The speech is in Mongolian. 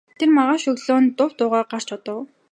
Тэр маргааш өглөө нь дув дуугүй гарч одов.